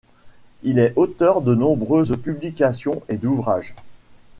Il est auteur de nombreuses publications et d'ouvrages.